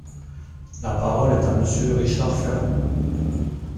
La parole est à Monsieur Richard Ferrand.